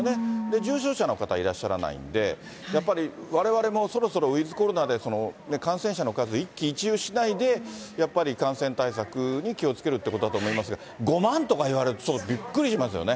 重症者の方いらっしゃらないんで、やっぱりわれわれもそろそろウィズコロナで感染者の数、一喜一憂しないで、やっぱり感染対策に気をつけるってことだと思いますが、５万とかいわれると、ちょっとびっくりしますよね。